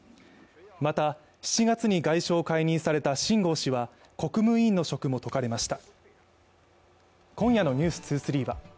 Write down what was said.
また７月に外相を解任された秦剛氏は国務委員の職も解かれました